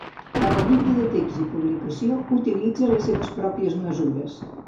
Cada llibre de text i publicació utilitza les seves pròpies mesures.